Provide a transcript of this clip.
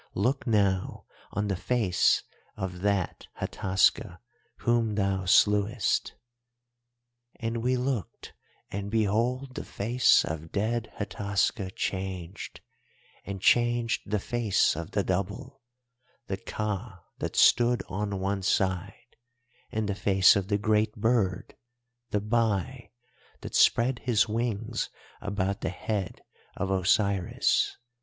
Look now on the face of that Hataska whom thou slewest.' "And we looked, and behold the face of dead Hataska changed, and changed the face of the Double, the Ka that stood on one side, and the face of the great bird, the Bai, that spread his wings about the head of Osiris.